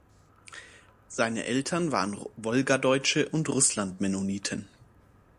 Seine Eltern waren Wolgadeutsche und Russlandmennoniten.